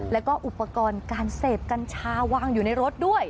แล้วก็อุปกรณ์การเสพกัญชาวางอยู่ในรถด้วย